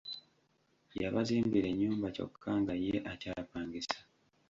Yabazimbira ennyumba kyokka nga ye akyapangisa!